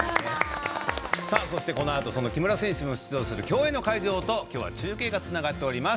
そして、このあとその木村選手の出場する競泳の会場ときょうは中継がつながっております。